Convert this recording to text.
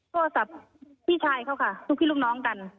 โทรศัพท์พี่ชายเขาค่ะลูกพี่ลูกน้องกัน